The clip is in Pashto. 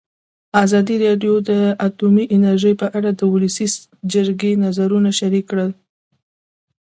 ازادي راډیو د اټومي انرژي په اړه د ولسي جرګې نظرونه شریک کړي.